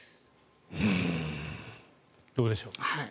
どうでしょう。